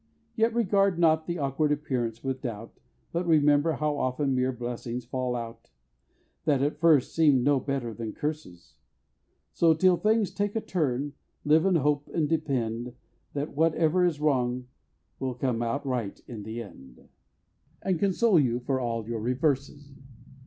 _ Yet regard not the awkward appearance with doubt, But remember how often mere blessings fall out, That at first seem'd no better than curses; So, till things take a turn, live in hope, and depend That whatever is wrong will come right in the end, And console you for all your reverses.